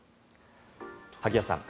萩谷さん